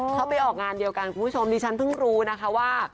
เขาไปออกงานเดียวกันคุณผู้ชมดิฉันเพิ่งรู้นะคะว่า